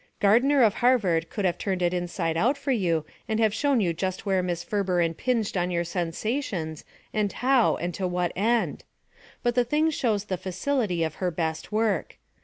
Gardiner of Harvard could have turned it inside out for you and have shown you just where Miss Ferber impinged on your sensations and how and to what end. ... But the thing shows the facil ity of her best work.